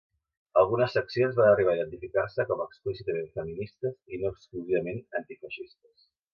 Algunes seccions van arribar a identificar-se com explícitament feministes i no exclusivament antifeixistes.